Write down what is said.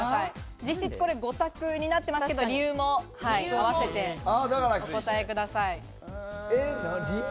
実質これ５択になってますけど、理由もあわせてお答えください。